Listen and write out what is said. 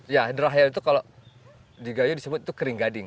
ya dr rahel itu kalau di gayo disebut itu kering gading